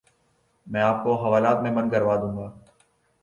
میں آپ کو حوالات میں بند کروا دوں گا